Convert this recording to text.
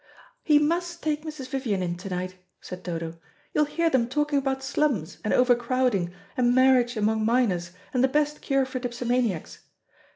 "He must take Mrs. Vivian in to night," said Dodo. "You'll hear them talking about slums, and over crowding, and marriage among minors, and the best cure for dipsomaniacs.